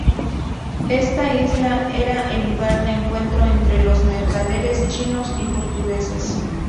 Esta isla era el lugar de encuentro entre los mercaderes chinos y portugueses.